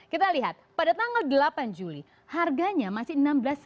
kita lihat pada tanggal delapan juli harganya masih enam belas dua ratus tujuh puluh